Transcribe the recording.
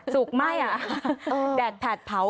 สุกไม่แดดแผดเผา